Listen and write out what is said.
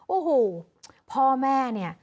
โอ้โหพ่อแม่เนี่ย